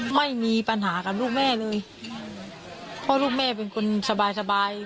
ไม่มีปัญหากับลูกแม่เลยเพราะลูกแม่เป็นคนสบายสบาย